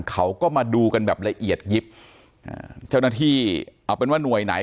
เขาก็มาดูกันแบบละเอียดยิบอ่าเจ้าหน้าที่เอาเป็นว่าหน่วยไหน